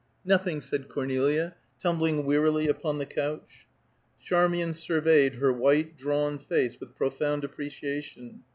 "Nothing," said Cornelia, tumbling wearily upon the couch. Charmian surveyed her white, drawn face with profound appreciation.